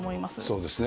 そうですね。